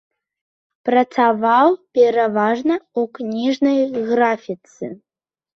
Працаваў пераважна ў кніжнай графіцы.